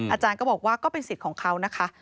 อาจารย์ก็บอกว่าก็เป็นสิทธิ์ของเขานะคะ